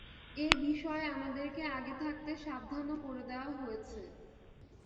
এ বিষয়ে আমাদেরকে আগে থাকতে সাবধানও করে দেয়া হয়েছে।